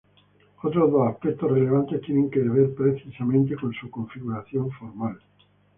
Otros dos aspectos relevantes tienen que ver precisamente con su configuración formal.